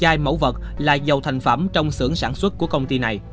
chai mẫu vật là dầu thành phẩm trong xưởng sản xuất của công ty này